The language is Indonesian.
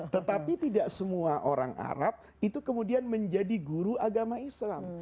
tetapi tidak semua orang arab itu kemudian menjadi guru agama islam